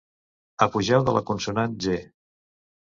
Apogeu de la consonant Ge.